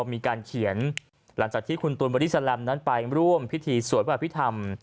มีการเขียนหลังจากที่คุณตุ๋นวัดดิสลัมนั้นไปร่วมพิธีสวยแบบพิธรรม